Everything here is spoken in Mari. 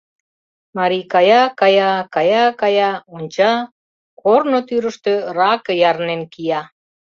Марий кая-кая, кая-кая, онча: корно тӱрыштӧ раке ярнен кия.